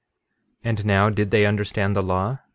13:32 And now, did they understand the law?